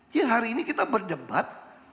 jadi hari ini kita berdebat